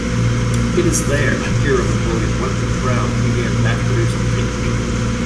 It is there Hiram and William Wentworth Brown began mass-producing the tape measure.